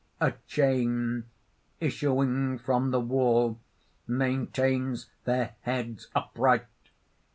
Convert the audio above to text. "A chain, issuing from the wall, maintains their heads upright.